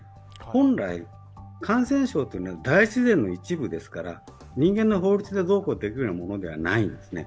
本来、感染症というのは大自然の一部ですから、人間の法律でどうこうできるというものではないんですね。